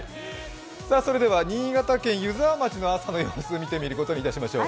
それでは、新潟県湯沢町の朝の様子を見てみることにいたしましょう。